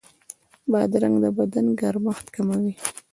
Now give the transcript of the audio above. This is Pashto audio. بادرنګ د بدن ګرمښت کموي.